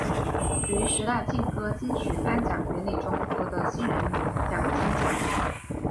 于十大劲歌金曲颁奖典礼中夺得新人奖金奖。